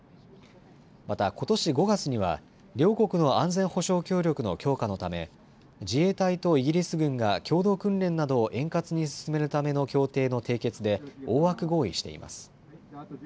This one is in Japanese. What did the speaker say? またことし５月には両国の安全保障協力の強化のため自衛隊とイギリス軍が共同訓練などを円滑に進めるための協定の締結で大枠合意しています。